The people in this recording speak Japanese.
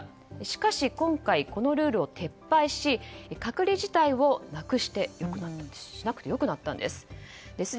しかし、今回このルールを撤廃し隔離自体をしなくてよくなったんです。